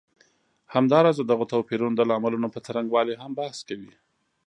همداراز د دغو توپیرونو د لاملونو پر څرنګوالي هم بحث کوي.